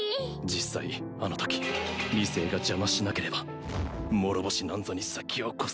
実際あのとき理性が邪魔しなければ諸星なんぞに先を越されずにすんだのに！